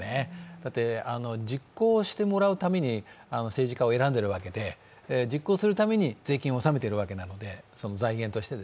だって、実行してもらうために政治家を選んでいるわけで、実行するために税金を納めているわけなんで、財源として。